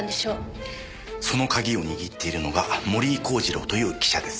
その鍵を握っているのが森井孝次郎という記者です。